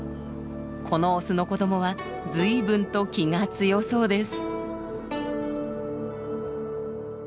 このオスの子どもは随分と気が強そうです。